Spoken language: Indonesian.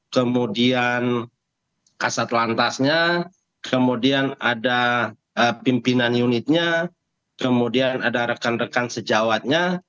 kemudian kasat lantasnya kemudian ada pimpinan unitnya kemudian ada rekan rekan sejawatnya